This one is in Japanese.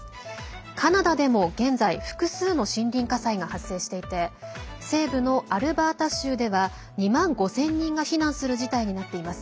カナダでも現在複数の森林火災が発生していて西部のアルバータ州では２万５０００人が避難する事態になっています。